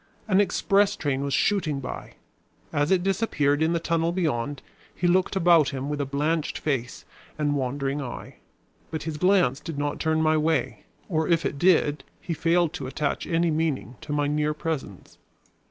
An express train was shooting by. As it disappeared in the tunnel beyond, he looked about him with a blanched face and wandering eye; but his glance did not turn my way, or if it did, he failed to attach any meaning to my near presence.